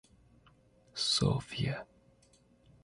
Софья